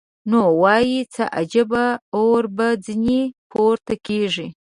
نو وای څه عجب اور به ځینې پورته کېږي.